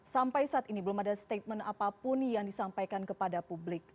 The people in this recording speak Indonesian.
sampai saat ini belum ada statement apapun yang disampaikan kepada publik